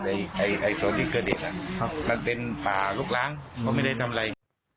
ในส่วนที่เกิดเด็ดมันเป็นผ่าลุกล้างเขาไม่ได้ทำอะไร